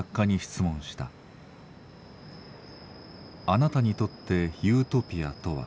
「あなたにとってユートピアとは。